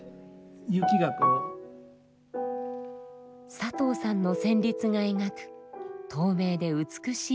佐藤さんの旋律が描く透明で美しい雪景色。